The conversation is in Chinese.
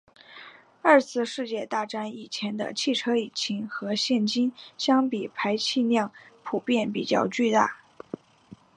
二次世界大战以前的汽车引擎和现今相比排气量普遍比较巨大。